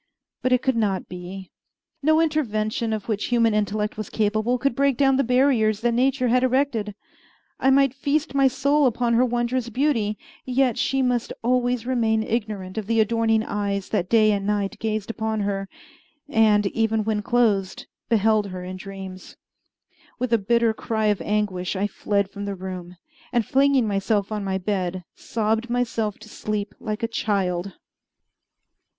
But it could not be. No invention of which human intellect was capable could break down the barriers that nature had erected. I might feast my soul upon her wondrous beauty, yet she must always remain ignorant of the adoring eyes that day and night gazed upon her, and, even when closed, beheld her in dreams. With a bitter cry of anguish I fled from the room, and flinging myself on my bed, sobbed myself to sleep like a child.